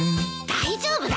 大丈夫だよ。